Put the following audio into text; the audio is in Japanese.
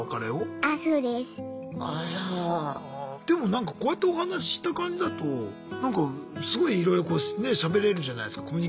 でもこうやってお話しした感じだとなんかすごいいろいろこうしゃべれるじゃないすか。